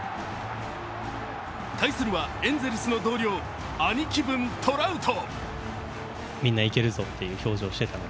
対するはエンゼルスの同僚、兄貴分・トラウト。